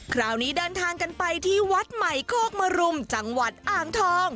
คราวนี้เดินทางกันไปที่วัดใหม่โคกมรุมจังหวัดอ่างทอง